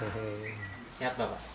sehat pak pak